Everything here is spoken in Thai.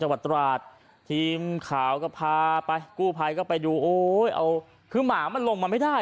วัดราชทีมข่าวก็พาไปกู้ภัยก็ไปดูโอ้ยเอาคือหมามันลงมาไม่ได้